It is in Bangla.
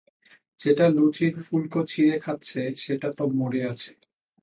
যেটা লুচির ফুলকো ছিঁড়ে খাচ্ছে, সেটা তো মরে আছে।